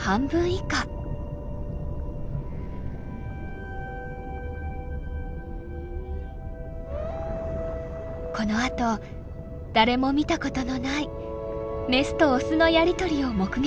このあと誰も見たことのないメスとオスのやり取りを目撃しました。